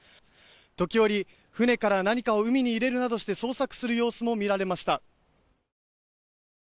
時折、船から何かを海に入れるなどして捜索する様子も見られました。